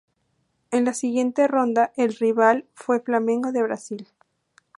En la siguiente ronda el rival fue Flamengo de Brasil.